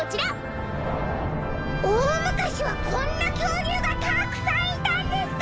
おおむかしはこんなきょうりゅうがたくさんいたんですか！